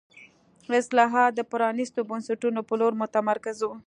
اصلاحات د پرانیستو بنسټونو په لور متمرکز وو.